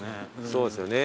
そうですよね。